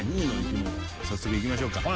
早速、いきましょうか。